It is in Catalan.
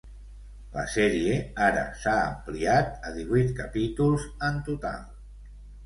La sèrie ara s'ha ampliat a divuit capítols en total.